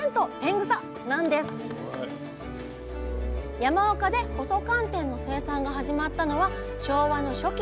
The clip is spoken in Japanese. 山岡で細寒天の生産が始まったのは昭和の初期。